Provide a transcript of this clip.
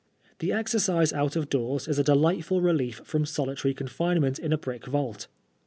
The exercise out of doors is a delightful relief from solitary confinement in a brick vault.